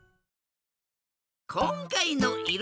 こんかいのいろ